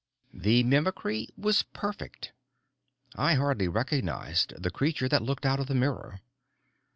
The mimicry was perfect. I hardly recognized the creature that looked out of the mirror.